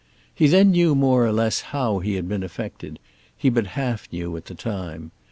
He then knew more or less how he had been affected—he but half knew at the time.